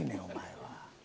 お前は。